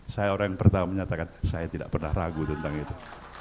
saya orang yang pertama menyatakan saya tidak pernah ragu tentang itu